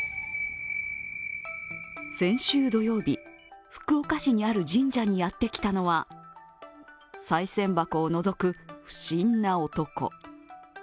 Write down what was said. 先週土曜日、福岡市にある神社にやってきたのはさい銭箱をのぞく不審な男。